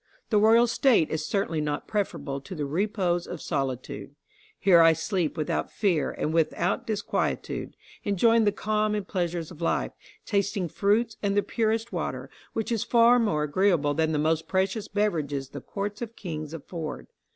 The royal state is certainly not preferable to the repose of solitude. Here I sleep without fear and without disquietude, enjoying the calm and pleasures of life, tasting fruits and the purest water, which is far more agreeable than the most precious beverages the courts of kings afford.